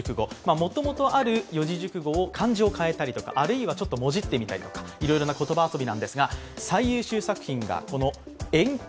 もともとある四字熟語を漢字を変えたりとか、あるいはもじってみたりとか、いろいろな言葉遊びです。